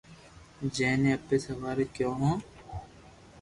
جي ني اپي سواري ڪيو هون